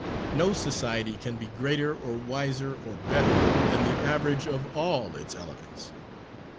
No society can be greater or wiser or better than the average of all its elements.